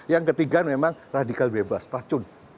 yang ketiga memang radikal bebas racun